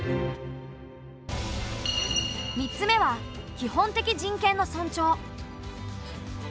３つ目は基本的人権の尊重。